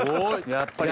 やっぱり！